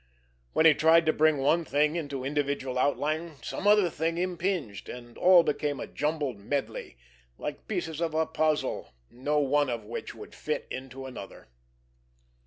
When he tried to bring one thing into individual outline some other thing impinged, and all became a jumbled medley, like pieces of a puzzle, no one of which would fit into another.